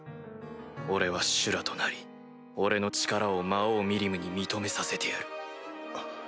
俺は修羅となり俺の力を魔王ミリムに認めさせてやる。